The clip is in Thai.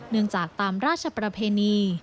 เนื่องจากตามราชประเพณี